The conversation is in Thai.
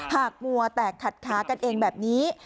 มัวแตกขัดขากันเองแบบนี้